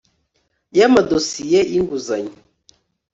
y amadosiye y inguzanyo